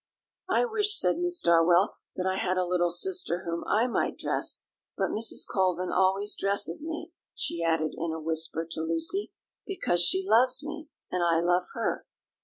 "I wish," said Miss Darwell, "that I had a little sister whom I might dress; but Mrs. Colvin always dresses me," she added in a whisper to Lucy, "because she loves me, and I love her."